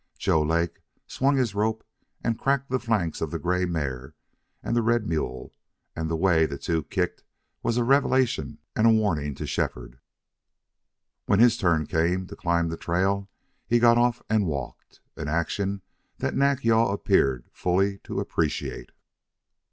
Joe Lake swung his rope and cracked the flanks of the gray mare and the red mule; and the way the two kicked was a revelation and a warning to Shefford. When his turn came to climb the trail he got off and walked, an action that Nack yal appeared fully to appreciate.